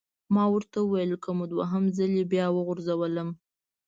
ما ورته وویل: که مو دوهم ځلي بیا وغورځولم!